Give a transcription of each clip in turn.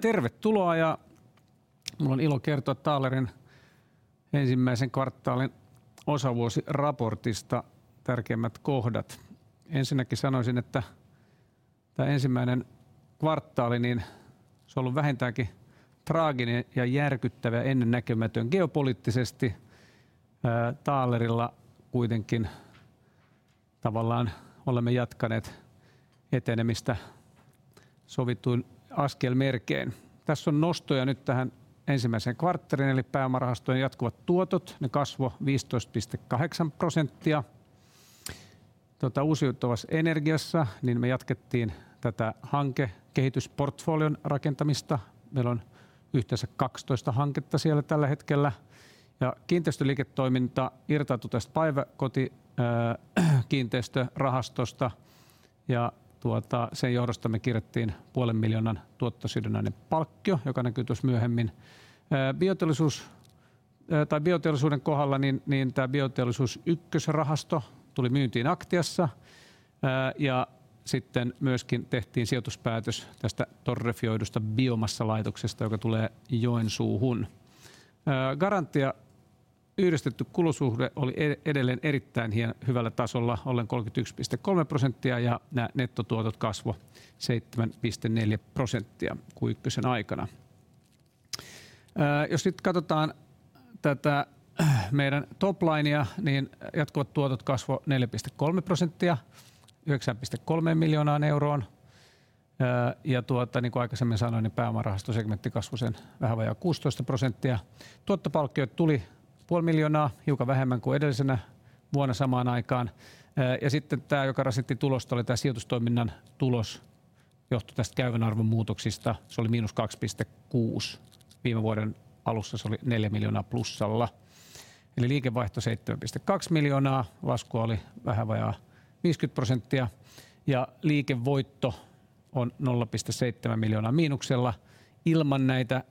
Tervetuloa! Mulla on ilo kertoa Taalerin ensimmäisen kvartaalin osavuosiraportista tärkeimmät kohdat. Ensinnäkin sanoisin, että tämä ensimmäinen kvartaali on ollut vähintäänkin traaginen ja järkyttävä ja ennennäkemätön geopoliittisesti. Taalerilla olemme jatkaneet etenemistä sovittuin askelmerkein. Tässä on nostoja tähän ensimmäiseen kvartaaliin eli pääomarahastojen jatkuvat tuotot. Ne kasvoivat 15.8%. Uusiutuvassa energiassa me jatkettiin tätä hankekehitysportfolion rakentamista. Meillä on yhteensä 12 hanketta siellä tällä hetkellä ja kiinteistöliiketoiminta irtautui tästä päiväkotikiinteistörahastosta ja sen johdosta me kirjattiin EUR puolen miljoonan tuottosidonnainen palkkio, joka näkyy tuossa myöhemmin. Bioteollisuuden kohdalla bioteollisuus ykkösrahasto tuli myyntiin Aktiassa ja sitten tehtiin sijoituspäätös tästä torrefioitusta biomassalaitoksesta, joka tulee Joensuuhun. Garantia. Yhdistetty kulusuhde oli edelleen erittäin hyvällä tasolla ollen 31.3% ja nettotuotot kasvoivat 7.4% Q1:n aikana. Jos nyt katsotaan tätä meidän top linea, niin jatkuvat tuotot kasvoi 4.3% EUR 9.3 miljoonaan. Niin kuin aiemmin sanoin, pääomarahoitussegmentti kasvoi sen vähän vajaa 16 prosenttia. Tuottopalkkioita tuli 0.5 miljoonaa. Hiukan vähemmän kuin edellisenä vuonna samaan aikaan. Sitten tämä, joka rasitti tulosta, oli tämä sijoitustoiminnan tulos. Johtui tästä käyvän arvon muutoksista. Se oli -2.6 miljoonaa. Viime vuoden alussa se oli 4 miljoonaa plussalla. Liikevaihto 7.2 miljoonaa. Laskua oli vähän vajaa 50 prosenttia ja liikevoitto on -0.7 miljoonaa. Ilman näitä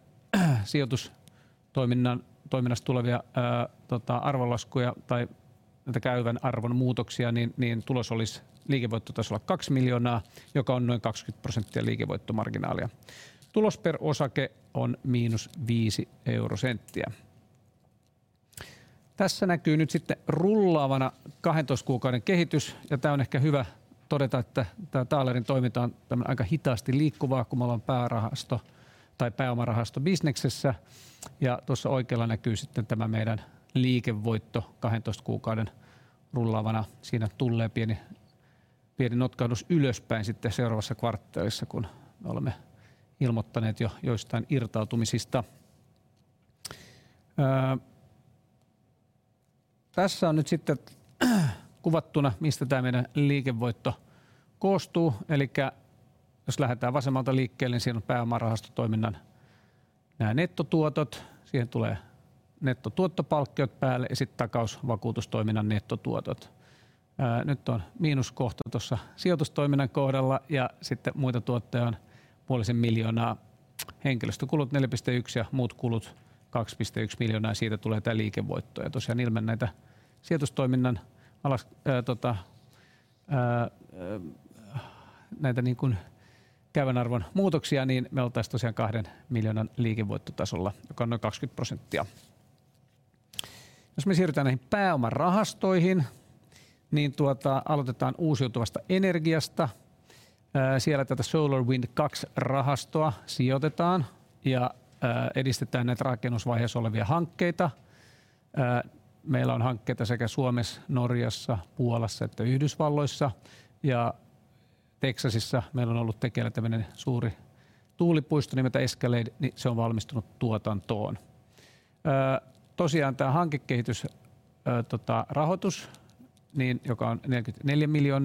sijoitustoiminnan toiminnasta tulevia arvonlaskuja tai näitä käyvän arvon muutoksia, tulos olisi liikevoittotasolla EUR 2 miljoonaa, joka on noin 20% liikevoittomarginaalia. Tulos per osake on -€0.05. Tässä näkyy nyt rullaavana 12 kuukauden kehitys. Tää on ehkä hyvä todeta, että tää Taalerin toiminta on tämmöinen aika hitaasti liikkuvaa, kun me ollaan päärahasto tai pääomarahastobisneksessä. Tuossa oikealla näkyy sitten tämä meidän liikevoitto 12 kuukauden rullaavana. Siinä tulee pieni notkahdus ylöspäin sitten seuraavassa kvartaalissa, kun me olemme ilmoittaneet joistain irtautumisista. Tässä on nyt sitten kuvattuna mistä tää meidän liikevoitto koostuu. Elikkä jos lähdetään vasemmalta liikkeelle, niin siinä on pääomarahastotoiminnan nää nettotuotot. Siihen tulee nettotuottopalkkiot päälle ja sitten takausvakuutustoiminnan nettotuotot. Nyt on miinuskohta tuossa sijoitustoiminnan kohdalla ja sitten muita tuottoja on 0.5 million. Henkilöstökulut 4.1 million ja muut kulut 2.1 million ja siitä tulee tää liikevoitto. Tosiaan ilman näitä sijoitustoiminnan käyvän arvon muutoksia, niin me oltais tosiaan 2 million liikevoittotasolla, joka on noin 20%. Jos me siirrytään näihin pääomarahastoihin, niin tuota aloitetaan uusiutuvasta energiasta. Siellä tätä SolarWind II rahastoon sijoitetaan ja edistetään näitä rakennusvaiheessa olevia hankkeita. Meillä on hankkeita sekä Suomessa, Norjassa, Puolassa että Yhdysvalloissa ja Texasissa meillä on ollut tekeillä tämmöinen suuri tuulipuisto nimeltä Escalate, se on valmistunut tuotantoon. Tosiaan tämä hankekehitys rahoitus, joka on 44 million,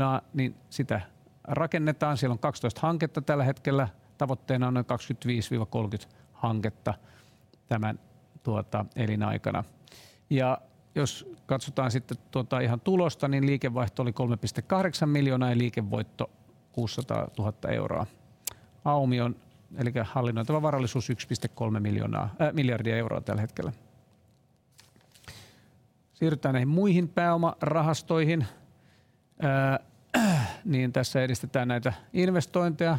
sitä rakennetaan. Siellä on 12 hanketta tällä hetkellä. Tavoitteena on noin 25-30 hanketta tämän elinaikana. Jos katsotaan sitten tätä ihan tulosta, liikevaihto oli 3.8 million ja liikevoitto 600,000. AuM eli hallinnoitava varallisuus 1.3 billion tällä hetkellä. Siirrytään näihin muihin pääomarahastoihin. Niin tässä edistetään näitä investointeja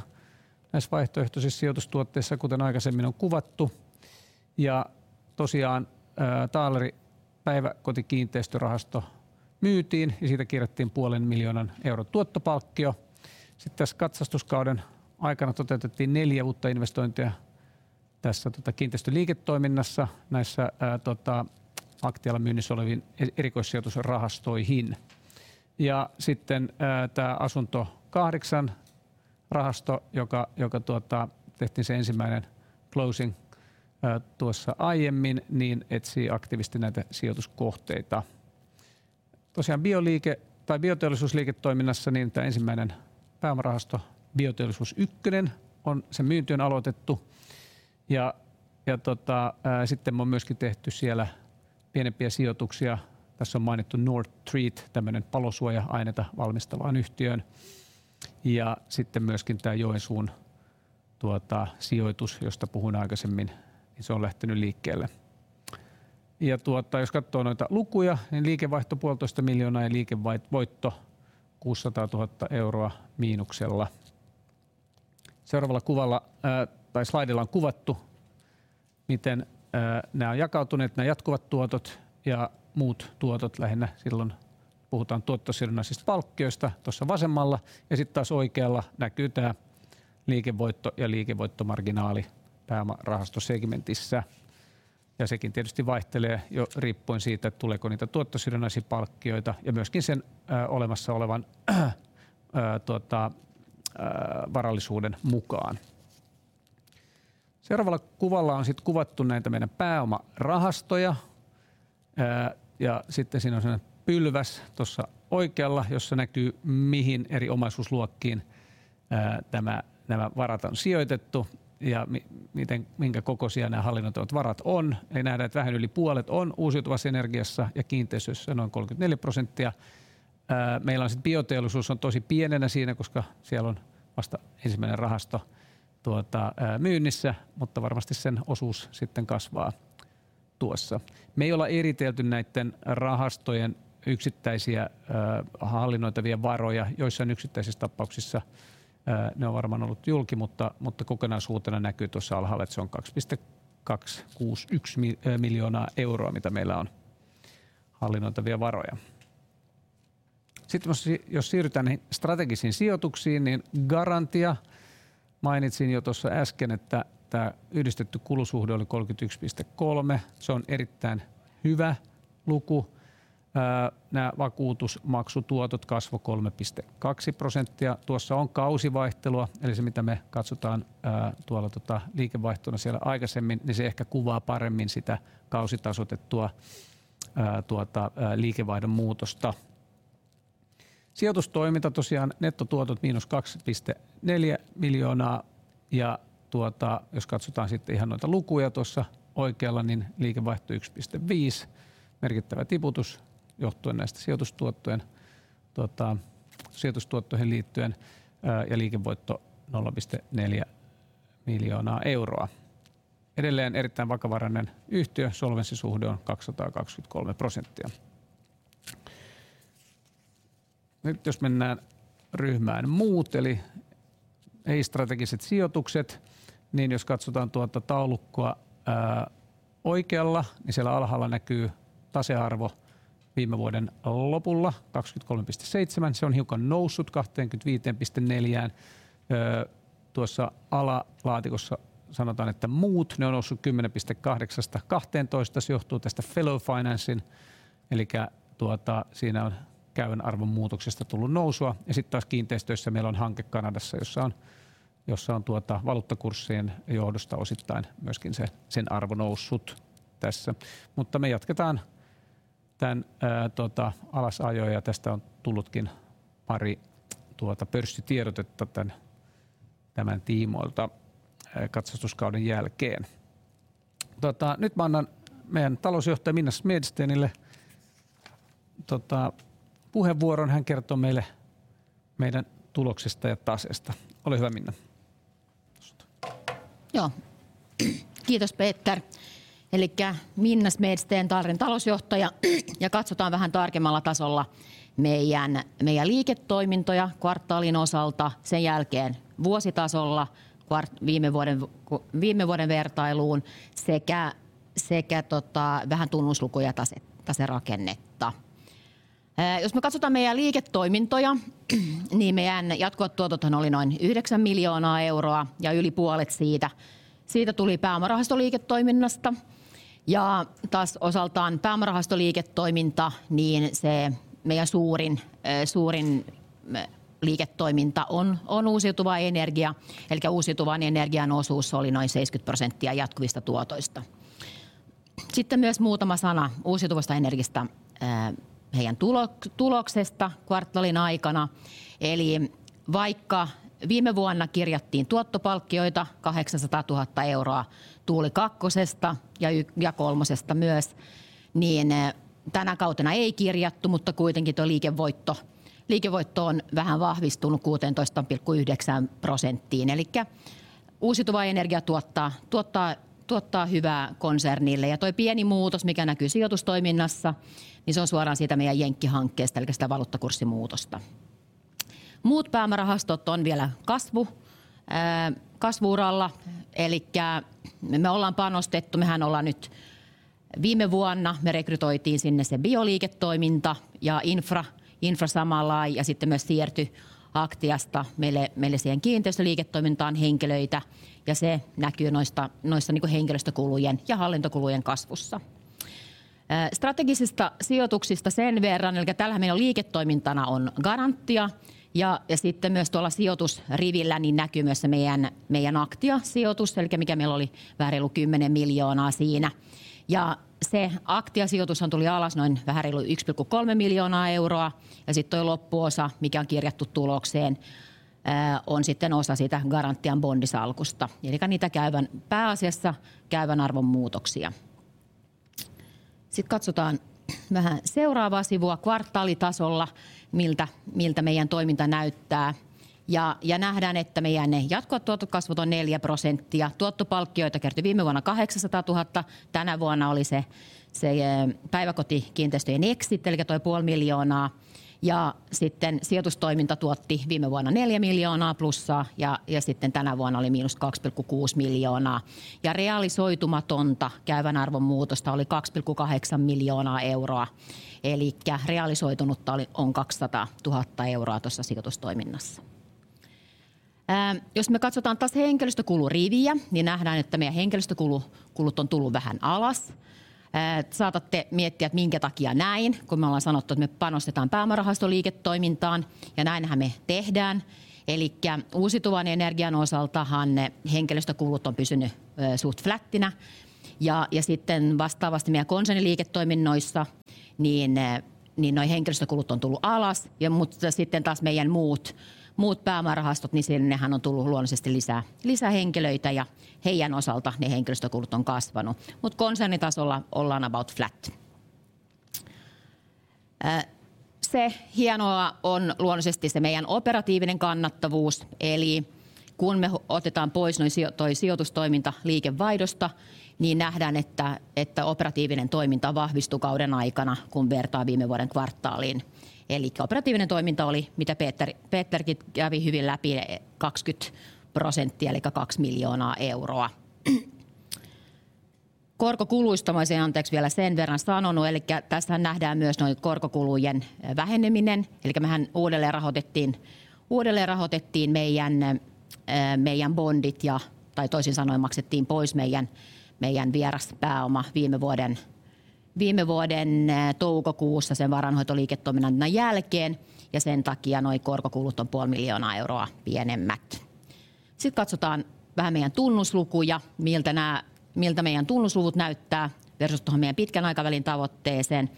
näissä vaihtoehtoisissa sijoitustuotteissa, kuten aikaisemmin on kuvattu. Tosiaan Taaleri Päiväkotikiinteistöt rahasto myytiin ja siitä kirjattiin puolen miljoonan euron tuottopalkkio. Tässä katsauskauden aikana toteutettiin neljä uutta investointia tässä kiinteistöliiketoiminnassa näissä Aktialla myynnissä oleviin erikoissijoitusrahastoihin. Tää Taaleri Asuntorahasto VIII, joka tehtiin se ensimmäinen closing tuossa aiemmin, etsii aktiivisesti näitä sijoituskohteita. Bioteollisuusliiketoiminnassa tämä ensimmäinen pääomarahasto Taaleri Bioindustry I sen myynti on aloitettu ja sitten me on myöskin tehty siellä pienempiä sijoituksia. Tässä on mainittu Nordtreat tämmöinen palosuoja-aineita valmistavaan yhtiöön ja sitten myöskin tämä Joensuun sijoitus, josta puhuin aikaisemmin, se on lähtenyt liikkeelle. Jos kattoo noita lukuja, liikevaihto 1.5 million ja liikevoitto -600,000. Seuraavalla kuvalla tai slaidilla on kuvattu, miten nää on jakautuneet nää jatkuvat tuotot ja muut tuotot. Lähinnä silloin puhutaan tuottosidonnaisista palkkioista tossa vasemmalla ja sit taas oikealla näkyy tämä liikevoitto ja liikevoittomarginaali pääomarahastosegmentissä. Sekin tietysti vaihtelee jo riippuen siitä, tuleeko niitä tuottosidonnaisia palkkioita ja myöskin sen olemassa olevan tuota varallisuuden mukaan. Seuraavalla kuvalla on sit kuvattu näitä meidän pääomarahastoja. Sitten siinä on sellainen pylväs tossa oikealla, jossa näkyy mihin eri omaisuusluokkiin nämä varat on sijoitettu ja minkä kokoisia nää hallinnoitavat varat on. Eli nähdään, että vähän yli puolet on uusiutuvassa energiassa ja kiinteistöissä noin 34%. Meillä on sit bioteollisuus on tosi pienenä siinä, koska siellä on vasta ensimmäinen rahasto tuota myynnissä, mutta varmasti sen osuus sitten kasvaa tuossa. Me ei olla eritelty näitten rahastojen yksittäisiä hallinnoitavia varoja. Joissain yksittäisissä tapauksissa ne on varmaan ollut julki, mutta kokonaisuutena näkyy tuossa alhaalla, että se on 2.261 million mitä meillä on hallinnoitavia varoja. Jos siirrytään niihin strategisiin sijoituksiin, niin Garantia mainitsin jo tuossa äsken, että tämä yhdistetty kulusuhde oli 33.3. Se on erittäin hyvä luku. Nää vakuutusmaksutuotot kasvoi 3.2%. Tuossa on kausivaihtelua. Eli se mitä me katsotaan tuolla tätä liikevaihtona siellä aikaisemmin, niin se ehkä kuvaa paremmin sitä kausitasoitettua liikevaihdon muutosta. Sijoitustoiminta tosiaan nettotuotot -2.4 million. Jos katsotaan sitten ihan noita lukuja tuossa oikealla, niin liikevaihto 1.5 million. Merkittävä tiputus johtuen näistä sijoitustuottojen sijoitustuottoihin liittyen ja liikevoitto EUR 0.4 million. Edelleen erittäin vakavarainen yhtiö. Solvenssisuhde on 223%. Nyt jos mennään ryhmään muut eli ei-strategiset sijoitukset, niin jos katsotaan tuota taulukkoa oikealla, niin siellä alhaalla näkyy tasearvo viime vuoden lopulla 23.7. Se on hiukan noussut 25.4. Tuossa alalaatikossa sanotaan, että muut ne on noussut 10 piste 8:sta kahteentoista. Se johtuu tästä Fellow Financen eli siinä on käyvän arvon muutoksesta tullut nousua. Sitten taas kiinteistöissä meillä on hanke Kanadassa, jossa on valuuttakurssien johdosta osittain myöskin sen arvo noussut tässä. Me jatketaan tämän alasajoa ja tästä on tullutkin pari pörssitiedotetta tämän tiimoilta tarkastuskauden jälkeen. Nyt mä annan meidän talousjohtaja Minna Smedstenille puheenvuoron. Hän kertoo meille meidän tuloksista ja taseesta. Ole hyvä, Minna. Joo, kiitos Peter! Elikkä Minna Smedsten, Taaleri talousjohtaja. Katsotaan vähän tarkemmalla tasolla meiän liiketoimintoja kvartaalin osalta, sen jälkeen vuositasolla viime vuoden vertailuun sekä tota vähän tunnuslukuja, taserakennetta. Jos me katsotaan meidän liiketoimintoja, niin meidän jatkuvat tuotot oli noin 9 million ja yli puolet siitä tuli pääomarahastoliiketoiminnasta. Taas osaltaan pääomarahastoliiketoiminta, niin se meidän suurin liiketoiminta on uusiutuva energia. Elikkä uusiutuvan energian osuus oli noin 70% jatkuvista tuotoista. Sitten myös muutama sana uusiutuvasta energiasta. Sen tuloksesta kvartaalin aikana. Eli vaikka viime vuonna kirjattiin tuottopalkkioita 800,000 Tuuli Kakkosesta ja Ykkösestä ja Kolmosesta myös, niin tänä kautena ei kirjattu. Tuo liikevoitto on vähän vahvistunut 16.9 prosenttiin. Elikkä uusiutuva energia tuottaa hyvää konsernille. Toi pieni muutos mikä näkyy sijoitustoiminnassa, niin se on suoraan siitä meidän jenkkihankkeesta elikkä sitä valuuttakurssin muutosta. Muut pääomarahastot on vielä kasvu-uralla. Elikkä me ollaan panostettu. Mehän ollaan nyt viime vuonna me rekrytoitiin sinne se bioliiketoiminta ja infra samalla lailla ja sitten myös siirty Aktiasta meille siihen kiinteistöliiketoimintaan henkilöitä ja se näkyy noista niiku henkilöstökulujen ja hallintokulujen kasvussa. Strategisista sijoituksista sen verran. Elikkä täällähän meidän liiketoimintana on Garantia ja sitten myös tuolla sijoitusrivillä niin näkyy myös se meidän Aktia-sijoitus elikkä mikä meillä oli vähän reilu 10 miljoonaa siinä. Se Aktia-sijoitushan tuli alas noin vähän reilu 1.3 miljoonaa. Sitten toi loppuosa mikä on kirjattu tulokseen on sitten osa sitä Garantian bondisalkusta. Elikkä niitä käyvän arvon muutoksia. Sitten katsotaan vähän seuraavaa sivua kvartaalitasolla. Miltä meidän toiminta näyttää? Nähdään, että meidän ne jatkuvat tuotokasvut on 4%. Tuottopalkkioita kertyi viime vuonna 800,000. Tänä vuonna oli se Päiväkotikiinteistöjen exit elikkä toi EUR puoli miljoonaa. Sitten sijoitustoiminta tuotti viime vuonna 4 miljoonaa plussaa ja sitten tänä vuonna oli miinus 2.6 miljoonaa ja realisoimatonta käyvän arvon muutosta oli 2.8 miljoonaa euroa. Elikkä realisoitunutta oli kakssataatuhatta euroa tuossa sijoitustoiminnassa. Jos me katsotaan taas henkilöstökuluriviä, niin nähdään, että meidän henkilöstökulut on tullut vähän alas. Saatatte miettiä, että minkä takia näin, kun me ollaan sanottu, että me panostetaan pääomarahastoliiketoimintaan. Näinhän me tehdään. Elikkä uusiutuvan energian osaltahan ne henkilöstökulut on pysynyt suht flättinä. Sitten vastaavasti meidän konsernin liiketoiminnoissa niin noi henkilöstökulut on tullut alas. Mutta sitten taas meidän muut pääomarahastot, niin sinnehän on tullut luonnollisesti lisää henkilöitä ja heidän osalta ne henkilöstökulut on kasvanut, mutta konsernitasolla ollaan about flat. Se hienoa on luonnollisesti se meidän operatiivinen kannattavuus. Kun me otetaan pois noi sijoitustoiminta liikevaihdosta, niin nähdään, että operatiivinen toiminta vahvistui kauden aikana, kun vertaa viime vuoden kvartaaliin. Operatiivinen toiminta oli mitä Peter kävi hyvin läpi 20% eli 2 miljoonaa. Korkokuluista mä oisin anteeksi vielä sen verran sanonut. Tästähän nähdään myös noi korkokulujen väheneminen. Mehän uudelleenrahoitettiin meidän bondit ja tai toisin sanoen maksettiin pois meidän vieras pääoma viime vuoden toukokuussa sen varainhoitoliiketoiminnan myynnin jälkeen ja sen takia noi korkokulut on EUR puol miljoonaa pienemmät. Katsotaan vähän meidän tunnuslukuja, miltä meidän tunnusluvut näyttää versus tuohon meidän pitkän aikavälin tavoitteeseen.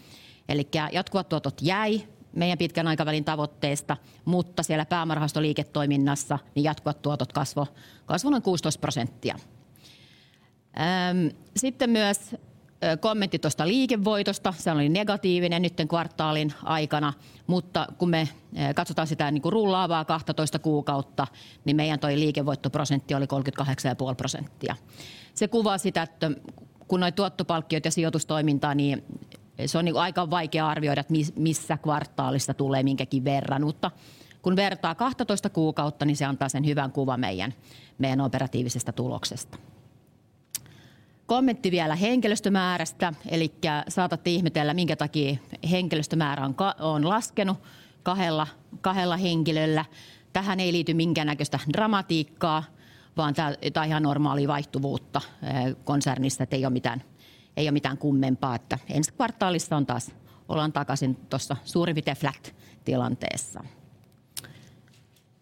Jatkuvat tuotot jäi meidän pitkän aikavälin tavoitteista, mutta siellä pääomarahastoliiketoiminnassa niin jatkuvat tuotot kasvoi noin 16%. Sitten myös kommentti tuosta liikevoitosta. Se oli negatiivinen tämän kvartaalin aikana, mutta kun me katsoetaan sitä rullaavaa 12 kuukautta, niin meidän se liikevoittoprosentti oli 38.5 prosenttia. Se kuvaa sitä, että kun noi tuottopalkkiot ja sijoitustoiminta, niin se on niin kuin aika vaikea arvioida, että missä kvartaalissa tulee minkäkin verran. Mutta kun vertaa 12 kuukautta, niin se antaa sen hyvän kuvan meidän operatiivisesta tuloksesta. Kommentti vielä henkilöstömäärästä. Elikkä saatatte ihmetellä minkä takia henkilöstömäärä on laskenut kahdella henkilöllä. Tähän ei liity minkäännäköistä dramatiikkaa, vaan tää on ihan normaalia vaihtuvuutta konsernissa, että ei ole mitään kummempaa, että ensi kvartaalissa ollaan taas takaisin tuossa suurin piirtein flat-tilanteessa.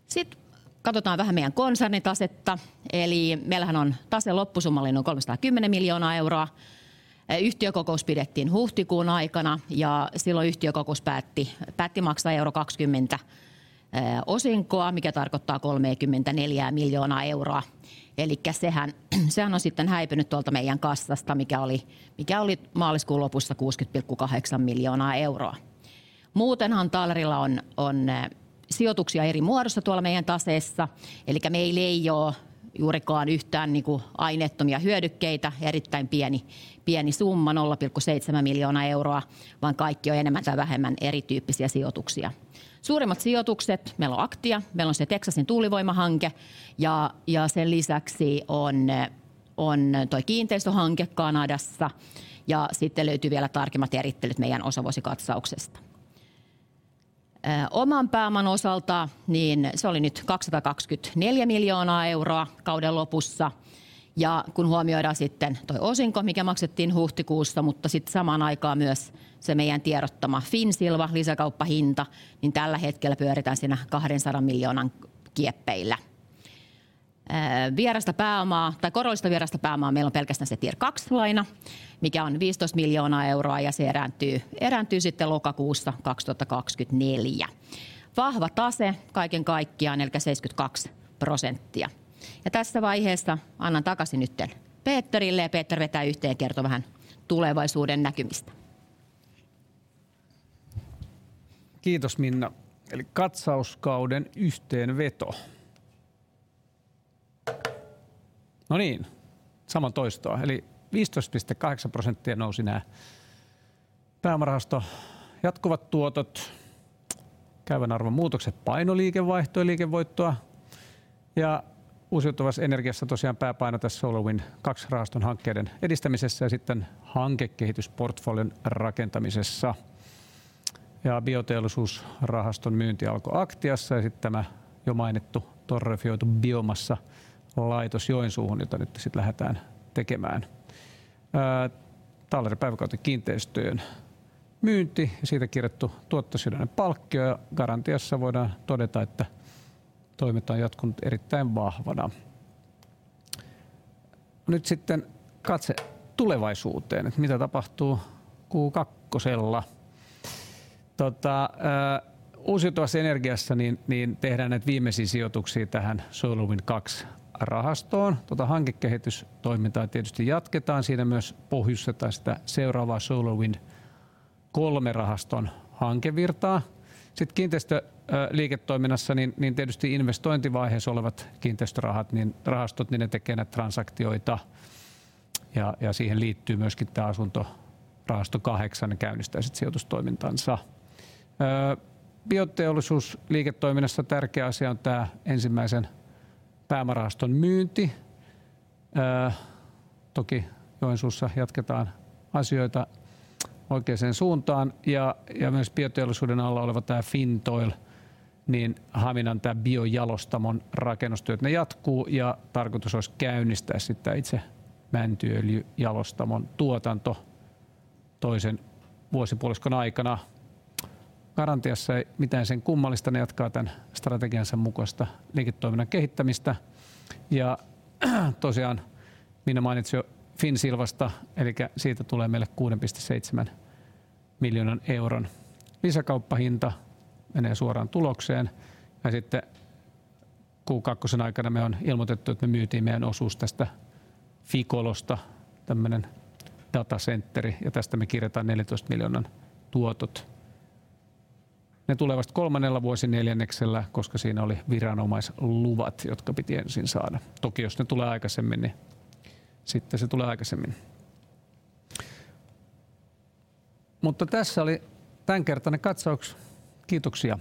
Sitten katsoetaan vähän meidän konsernin tasetta. Eli meillähän on taseen loppusumma oli noin 370 million. Yhtiökokous pidettiin huhtikuun aikana ja silloin yhtiökokous päätti maksaa euro 20 osinkoa, mikä tarkoittaa 34 million. Elikkä sehän on sitten häipynyt tuolta meidän kassasta, mikä oli maaliskuun lopussa 60.8 million. Muutenhan Taalerilla on sijoituksia eri muodossa tuolla meidän taseessa. Elikkä meillä ei oo juurikaan yhtään niinku aineettomia hyödykkeitä. Erittäin pieni summa 0.7 million, vaan kaikki on enemmän tai vähemmän erityyppisiä sijoituksia. Suurimmat sijoitukset. Meillä on Aktia. Meillä on se Teksasin tuulivoimahanke ja sen lisäksi on toi kiinteistöhanke Kanadassa. Sitten löytyy vielä tarkemmat erittelyt meidän osavuosikatsauksesta. Oman pääoman osalta se oli nyt EUR 224 million kauden lopussa. Kun huomioidaan sitten toi osinko, mikä maksettiin huhtikuussa, mutta sit samaan aikaan myös se meidän tiedottama Finnsilva lisäkauppahinta, niin tällä hetkellä pyöritään siinä 200 million kieppeillä. Vierasta pääomaa tai korollista vierasta pääomaa meillä on pelkästään se Tier 2 -laina, mikä on 15 million ja se erääntyy sitten lokakuussa 2024. Vahva tase kaiken kaikkiaan, elikkä 72%. Tässä vaiheessa annan takaisin nytten Peterille, ja Peter vetää yhteen, kertoo vähän tulevaisuuden näkymistä. Kiitos Minna! Eli katsauskauden yhteenveto. No niin, samaa tahtia eli 15.8% nousi NAV pääomarahasto jatkuvat tuotot. Käyvän arvon muutokset painoi liikevaihtoa ja liikevoittoa. Uusiutuvassa energiassa tosiaan pääpaino tässä Taaleri SolarWind II -rahaston hankkeiden edistämisessä ja sitten hankekehitysportfolion rakentamisessa ja bioteollisuusrahaston myynti alkoi Aktia:ssa. Sitten tämä jo mainittu torrefioitu biomassalaitos Joensuuhun, jota nyt sitten lähdetään tekemään. Taaleri-päiväkotien kiinteistöjen myynti ja siitä kirjattu tuottosidonnainen palkkio. Garantiassa voidaan todeta, että toiminta on jatkunut erittäin vahvana. Nyt katse tulevaisuuteen, mitä tapahtuu Q2:lla. Uusiutuvassa energiassa niin tehdään nämä viimeiset sijoitukset tähän Taaleri SolarWind II -rahastoon. Hankekehitystoimintaa tietysti jatketaan. Siinä myös pohjustetaan sitä seuraavaa Taaleri SolarWind III -rahaston hankevirtaa. Sitten kiinteistöliiketoiminnassa niin tietysti investointivaiheessa olevat kiinteistörahat rahastot ne tekee näitä transaktioita ja siihen liittyy myöskin tämä Taaleri Asuntorahasto VIII ja käynnistää sitten sijoitustoimintansa. Bioteollisuusliiketoiminnassa tärkeä asia on ensimmäisen pääomarahaston myynti. Toki Joensuussa jatketaan asioita oikeaan suuntaan ja myös bioteollisuuden alla oleva tämä Fintoil, niin Haminan biojalostamon rakennustyöt ne jatkuu ja tarkoitus olisi käynnistää sitten itse mäntyöljyjalostamon tuotanto toisen vuosipuoliskon aikana. Garantiassa ei mitään sen kummallisempaa. Ne jatkaa tän strategiansa mukaista liiketoiminnan kehittämistä. Tosiaan Minna mainitsi jo Finnsilvasta. Elikkä siitä tulee meille 6.7 million lisäkauppahinta. Menee suoraan tulokseen. Sitten Q2:n aikana me on ilmoitettu, että me myytiin meidän osuus tästä Ficolosta. Tällainen data center, ja tästä me kirjataan 14 million tuotot. Ne tulee vasta kolmannella vuosineljänneksellä, koska siinä oli viranomaisluvat, jotka piti ensin saada. Toki jos ne tulee aikaisemmin, niin sitten se tulee aikaisemmin. Tässä oli tämänkertainen katsaus. Kiitoksia.